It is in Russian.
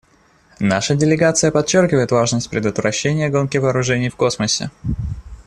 Наша делегация подчеркивает важность предотвращения гонки вооружений в космосе.